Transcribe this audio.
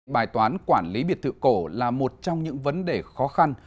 bài toán quản lý biệt thự cổ là một trong những vấn đề khó khăn